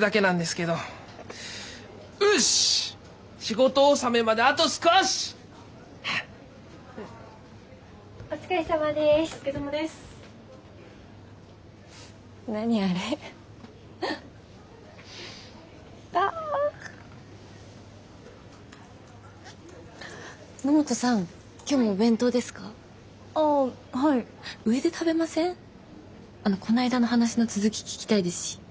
こないだの話の続き聞きたいですし。